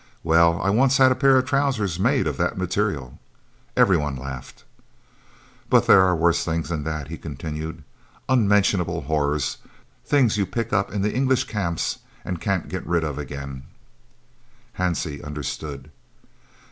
"Well, I once had a pair of trousers made of that material." Everyone laughed. "But there are worse things than that," he continued; "unmentionable horrors things you pick up in the English camps and can't get rid of again " Hansie understood.